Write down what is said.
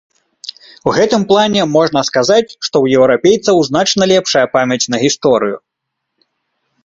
У гэтым плане можна сказаць, што ў еўрапейцаў значна лепшая памяць на гісторыю.